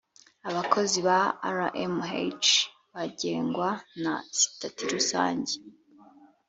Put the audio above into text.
abakozi ba rmh bagengwa na sitati rusange